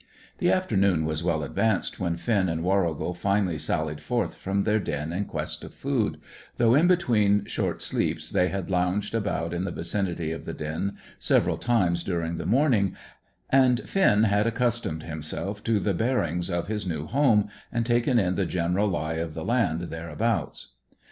The afternoon was well advanced when Finn and Warrigal finally sallied forth from their den in quest of food, though in between short sleeps they had lounged about in the vicinity of the den several times during the morning, and Finn had accustomed himself to the bearings of his new home, and taken in the general lie of the land thereabouts.